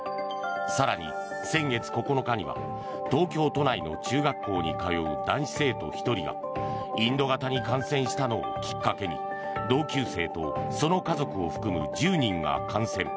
更に、先月９日には東京都内の中学校に通う男子生徒１人が、インド型に感染したのをきっかけに同級生とその家族を含む１０人が感染。